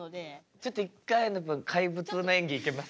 ちょっと一回怪物の演技いけます？